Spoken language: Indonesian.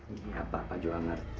iya pak pak jawa ngerti